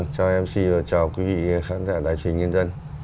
chào mc và chào quý vị khán giả đại truyền nhân dân